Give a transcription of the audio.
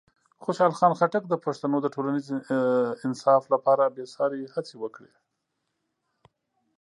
خوشحال خان خټک د پښتنو د ټولنیز انصاف لپاره بېساري هڅې وکړې.